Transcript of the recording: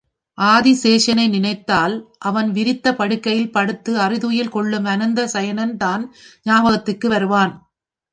ஆதிசேஷனை நினைத்தால் அவன் விரித்த படுக்கையில் படுத்து அறிதுயில் கொள்ளும் அனந்த சயனன் தான் ஞாபகத்துக்கு வருவான்.